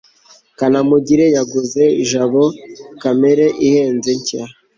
kanamugire yaguze jabo kamera ihenze cy